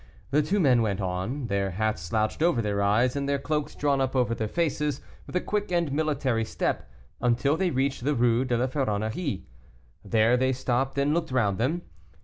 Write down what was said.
The two men went on, their hats slouched over their eyes, and their cloaks drawn up over their faces, with a quick and military step, until they reached the Rue de la Ferronnerie. There they stopped and looked round them.